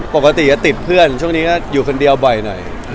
ปกติจะติดเพื่อนช่วงนี้ก็อยู่คนเดียวบ่อยหน่อย